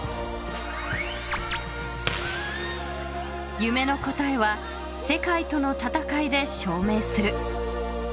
［夢の答えは世界との戦いで証明する］